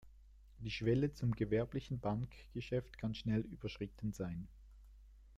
Die Schwelle zum gewerblichen Bankgeschäft kann schnell überschritten sein.